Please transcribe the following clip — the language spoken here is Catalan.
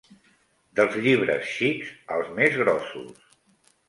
Dels llibres xics als més grossos